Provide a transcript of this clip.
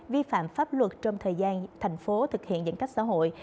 vi phạm pháp luật trong thời gian thành phố thực hiện giãn cách xã hội